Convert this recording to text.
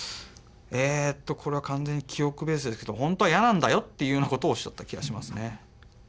えっとこれは完全に記憶ベースですけど「ホントは嫌なんだよ」っていうようなことをおっしゃった気がしますね。